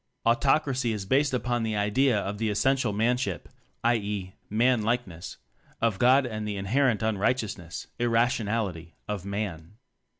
Autocracy is based upon the idea of the essential manship (i. e. man likeness) of "God" and the inher ent unrighteousness irrationality of Man.